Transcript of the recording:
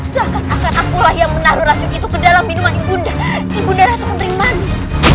seakan akan akulah yang menaruh racun itu ke dalam minuman ibu darah tukering manik